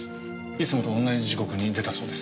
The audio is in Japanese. いつもと同じ時刻に出たそうです。